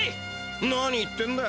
何言ってんだ。